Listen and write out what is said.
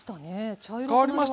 茶色くなりました。